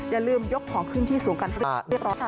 อย่าลืมยกของขึ้นที่สูงกันให้เรียบร้อยค่ะ